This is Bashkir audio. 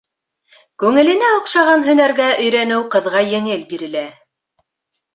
Күңеленә оҡшаған һөнәргә өйрәнеү ҡыҙға еңел бирелә.